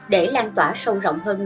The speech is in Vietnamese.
để lan tỏa sâu rộng